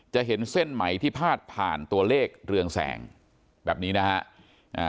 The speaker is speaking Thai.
จะเห็นเส้นไหมที่พาดผ่านตัวเลขเรืองแสงแบบนี้นะฮะ